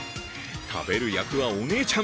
食べる役は、お姉ちゃん。